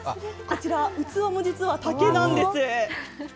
こちら、器も実は竹なんです。